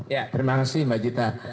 ya terima kasih mbak jita